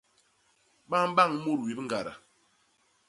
Ba mbañ mut wip ñgada.